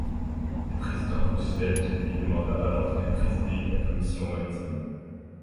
Le président Roosevelt lui demanda alors de présider la Commission maritime.